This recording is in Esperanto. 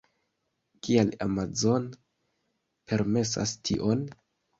Kial Amazon permesas tion?